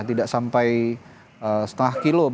tidak sampai setengah kilo